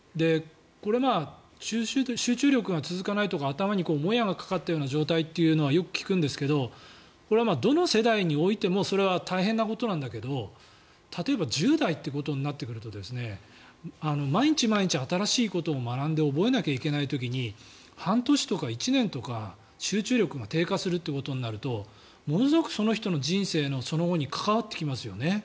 これ集中力が続かないとか頭にもやがかかったような状態というのはよく聞くんですけどこれはどの世代においてもそれは大変なことなんだけど例えば、１０代ということになってくると毎日毎日新しいことを学んで覚えなきゃいけない時に半年とか１年とか集中力が低下するということになるとものすごくその人の人生のその後に関わってきますよね。